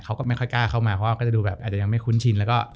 เขาก็ไม่ค่อยกล้าเข้ามาเพราะว่าก็จะดูแบบอาจจะยังไม่คุ้นชินแล้วก็